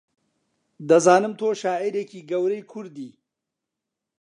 دەزانم تۆ شاعیرێکی گەورەی کوردی